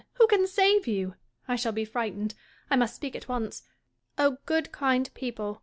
who can save you % I shall be frightened : I must speak at once. O good kind people